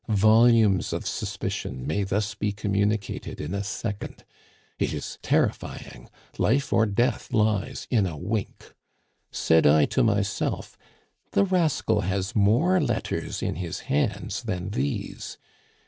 Volumes of suspicion may thus be communicated in a second. It is terrifying life or death lies in a wink. "Said I to myself, 'The rascal has more letters in his hands than these!